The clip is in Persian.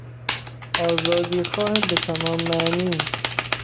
آزادیخواه به تمام معنی